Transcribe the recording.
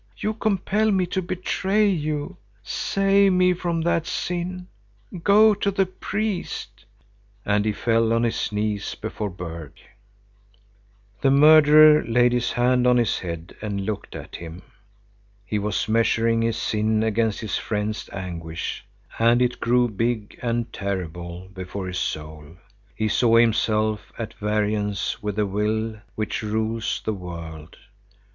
You compel me to betray you. Save me from that sin. Go to the priest." And he fell on his knees before Berg. The murderer laid his hand on his head and looked at him. He was measuring his sin against his friend's anguish, and it grew big and terrible before his soul. He saw himself at variance with the Will which rules the world.